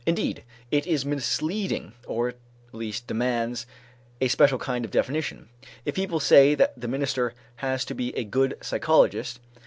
Indeed it is misleading, or at least demands a special kind of definition, if people say that the minister has to be a good psychologist.